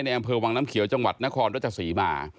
อำเภอวังน้ำเขียวจังหวัดนครรัชศรีมา